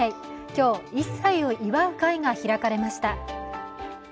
今日、１歳を祝う会が開かれました。